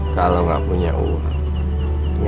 kalau gak punya uang